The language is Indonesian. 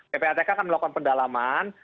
ppatk akan melakukan pendalaman